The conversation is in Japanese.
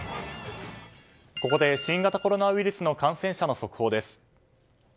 ここで新型コロナウイルスの感染者の速報です。